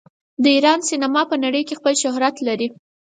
د ایران سینما په نړۍ کې خپل شهرت لري.